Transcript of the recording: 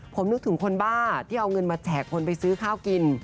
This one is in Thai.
ผมนึกถึงคนบ้าที่เอาเงินมาแจกคนไปซื้อข้าวกิน